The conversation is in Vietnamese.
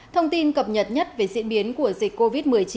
thông tin cập nhật nhất về diễn biến của dịch covid một mươi chín